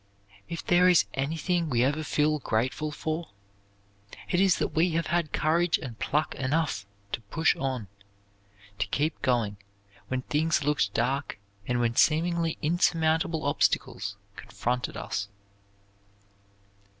If there is anything we ever feel grateful for, it is that we have had courage and pluck enough to push on, to keep going when things looked dark and when seemingly insurmountable obstacles confronted us.